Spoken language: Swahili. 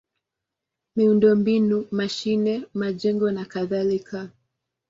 miundombinu: mashine, majengo nakadhalika.